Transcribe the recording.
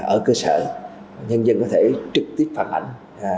ở cơ sở nhân dân có thể trực tiếp phản ảnh